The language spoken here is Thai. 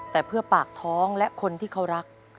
แต่เพื่อปากท้องและคนที่เขารัก